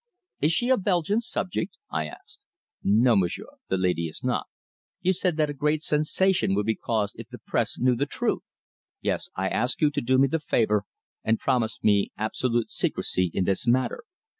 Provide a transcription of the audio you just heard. "Is she a Belgian subject?" I asked. "No, m'sieur, the lady is not." "You said that a great sensation would be caused if the press knew the truth?" "Yes. I ask you to do me the favour, and promise me absolute secrecy in this matter.